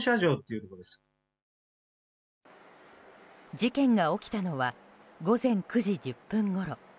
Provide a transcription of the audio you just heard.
事件が起きたのは午前９時１０分ごろ。